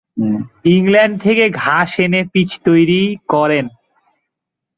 England থেকে ঘাস এনে পিচ তৈরি করেন।